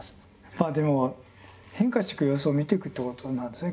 まあでも変化していく様子を見ていくっていうことなんですね。